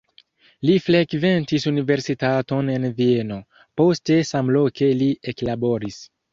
Li frekventis universitaton en Vieno, poste samloke li eklaboris.